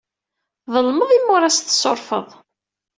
Tḍelmeḍ imi ur as-tessurfeḍ.